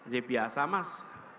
dia biasa mas